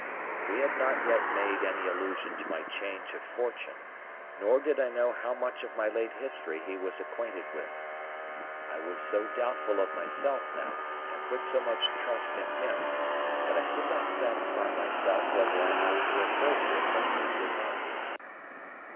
We had not yet made any allusion to my change of fortune, nor did I know how much of my late history he was acquainted with. I was so doubtful of myself now, and put so much trust in him, that I could not satisfy myself whether I ought to refer to it when he did not.